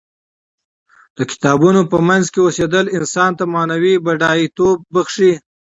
د کتابونو په منځ کې اوسیدل انسان ته معنوي بډایه توب بښي.